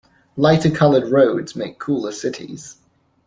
Lighter coloured roads make cooler cities.